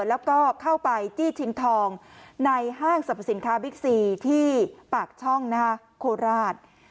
แล้วก็เข้าไปจี้ชิงทองในห้างสรรพสินค้าบิ๊กซีที่ปากช่องโคราช